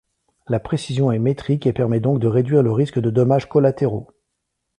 La précision est métrique et permet donc de réduire le risque de dommages collatéraux.